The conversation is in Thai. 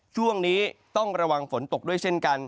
ช่วงนี้ต้องระวังฝนตกด้วยเช่นกัน